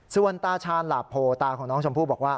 ส่วนตาชาญหลาโพตาของน้องชมพู่บอกว่า